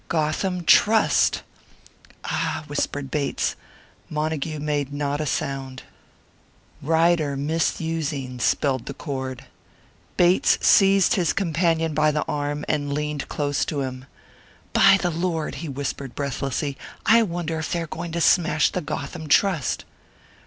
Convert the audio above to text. "Gotham Trust!" "Ah!" whispered Bates. Montague made not a sound. "Ryder misusing," spelled the cord. Bates seized his companion by the arm, and leaned close to him. "By the Lord!" he whispered breathlessly, "I wonder if they're going to smash the Gotham Trust!"